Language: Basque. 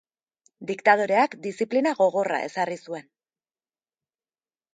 Diktadoreak diziplina gogorra ezarri zuen.